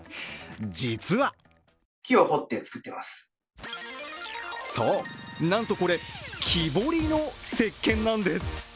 実はそう、なんとこれ、木彫りのせっけんなんです。